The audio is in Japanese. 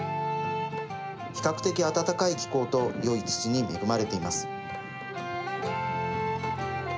比較的温かい気候とよい土に恵まれています。